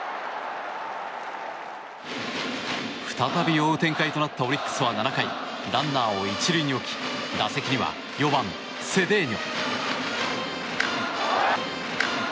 再び追う展開となったオリックスは７回ランナーを１塁に置き打席には４番、セデーニョ。